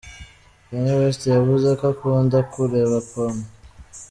Kanye West yavuze ko akunda kureba porn.